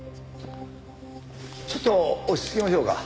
ちょっと落ち着きましょうか。